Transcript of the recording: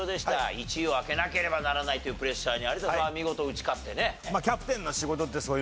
１位を開けなければならないというプレッシャーに有田さんは見事打ち勝ってね。ですよね。